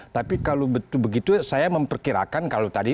tapi kalau begitu saya memperkirakan kalau tadi